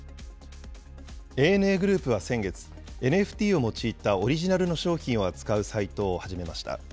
ＡＮＡグループは先月、ＮＦＴを用いたオリジナルの商品を扱うサイトを始めました。